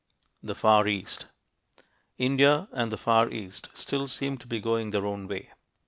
THE FAR EAST India and the Far East still seem to be going their own way.